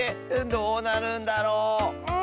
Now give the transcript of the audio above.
どうなるんだろう？